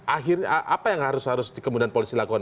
akhirnya apa yang harus harus kemudian polisi lakukan